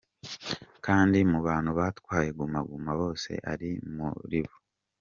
kandi mu bantu batwaye Guma Guma bose ari muri bo.